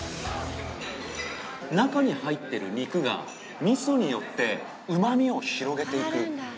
中に入っている肉が味噌によってうまみを広げていく。